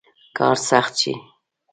کار سخت شي.